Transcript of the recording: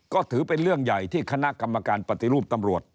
ก็ถือเป็นเรื่องใหญ่ที่คณะกรรมการปฏิรูปตำรวจ